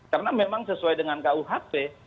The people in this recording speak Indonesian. karena memang sesuai dengan kuhp